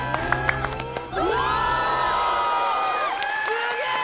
すげえ！